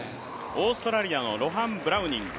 オーストラリアのロハン・ブラウニング。